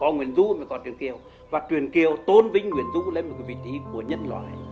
nguyễn du là một con chuyện kiều và chuyện kiều tôn vinh nguyễn du lên một vị trí của nhân loại